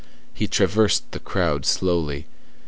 He traversed the crowd slowly.